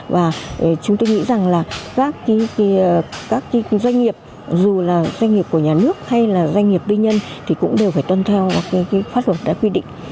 và chúng tôi nghĩ rằng là các doanh nghiệp dù là doanh nghiệp của nhà nước hay là doanh nghiệp tư nhân thì cũng đều phải tuân theo pháp luật đã quy định